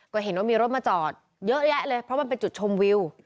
ก็เห็นว่ามีรถมาจอดเยอะแยะเลยเพราะมันเป็นจุดชมวิว